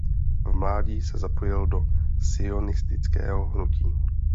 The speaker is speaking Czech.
V mládí se zapojil do sionistického hnutí.